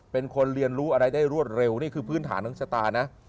เป็นคนเรียนรู้อะไรได้รวดเร็วนี่คือพื้นฐานทั้งชะตานะ